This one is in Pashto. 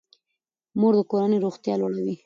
مور د کورنۍ روغتیا لوړوي.